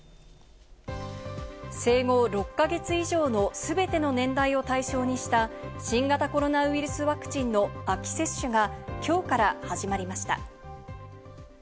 生後６か月以上の全ての年代を対象にした新型コロナウイルスワクチンの秋接種がきょうから始まりました。